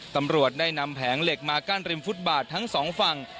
ตำรวจได้นำแผงเหล็กมากั้นริมฟุตบาททั้งสองฝั่ง